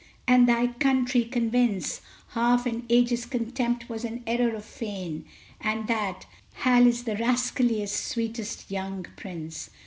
_ and thy country convince Half an age's contempt was an error of fame, And that "Hal is the rascalliest, sweetest young prince!"